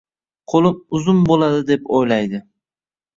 Qo‘lim uzun bo‘ladi deb o‘ylaydi